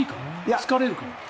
疲れるから？